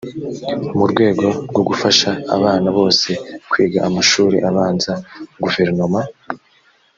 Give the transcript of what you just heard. mu rwego rwo gufasha abana bose kwiga amashuri abanza guverinoma